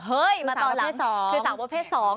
เฮ่ยมาตอนหลังสามประเภทสอง